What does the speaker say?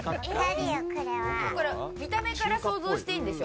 見た目から想像していいんでしょ？